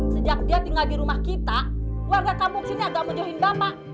sejak dia tinggal di rumah kita warga kampung sini agak menjauhin bapak